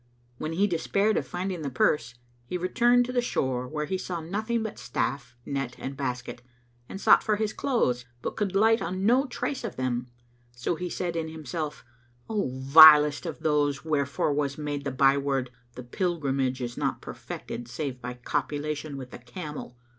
When he despaired of finding the purse, he returned to the shore, where he saw nothing but staff, net and basket and sought for his clothes, but could light on no trace of them: so he said in himself, "O vilest of those wherefor was made the byword, 'The pilgrimage is not perfected save by copulation with the camel!"